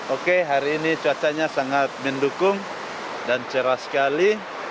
oke hari ini cuacanya sangat mendukung dan cerah sekali